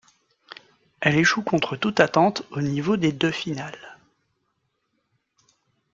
Elle échoue contre toute attente au niveau des de finale.